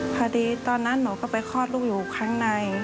ตอนนั้นหนูก็ไปคลอดลูกอยู่ข้างใน